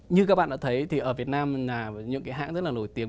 như các bạn đã thấy thì ở việt nam là những cái hãng rất là nổi tiếng